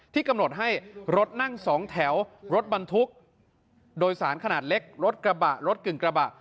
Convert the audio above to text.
กำหนดให้รถนั่งสองแถวรถบรรทุกโดยสารขนาดเล็กรถกระบะรถกึ่งกระบะ